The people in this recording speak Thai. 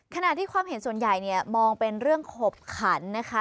ขณะที่ความเห็นส่วนใหญ่เนี่ยมองเป็นเรื่องขบขันนะคะ